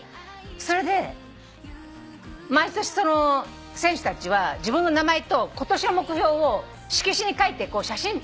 それで毎年選手たちは自分の名前と今年の目標を色紙に書いて写真に撮るの。